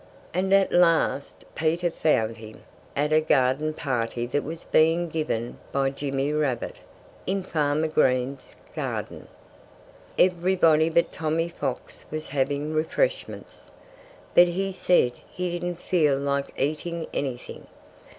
And at last Peter found him, at a garden party that was being given by Jimmy Rabbit, in Farmer Green's garden. Everybody but Tommy Fox was having refreshments. But he said he didn't feel like eating anything.